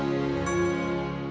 aduh hujan lagi